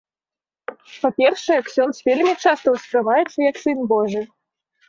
Па-першае, ксёндз вельмі часта ўспрымаецца як сын божы.